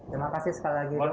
terima kasih sekali lagi